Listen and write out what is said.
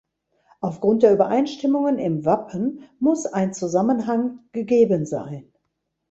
Aufgrund der Übereinstimmungen im Wappen muss ein Zusammenhang gegeben sein.